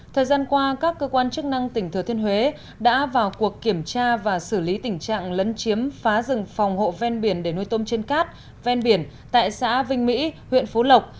thời gian qua các cơ quan chức năng tỉnh thừa thiên huế đã vào cuộc kiểm tra và xử lý tình trạng lấn chiếm phá rừng phòng hộ ven biển để nuôi tôm trên cát ven biển tại xã vinh mỹ huyện phú lộc